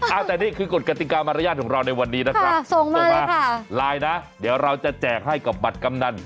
เอาแต่นี่คือกฎกติกามารยาทของเราในวันนี้นะครับส่งมาไลน์นะเดี๋ยวเราจะแจกให้กับบัตรกำนัน